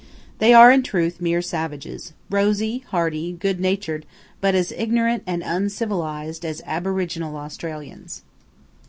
They are, in truth, mere savages–rosy, hearty, good natured; but as ignorant and uncivilised as aboriginal Australians.